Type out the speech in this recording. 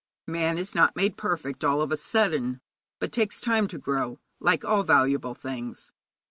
Man is not made perfect all of a sudden, but takes time to grow, like all valuable things.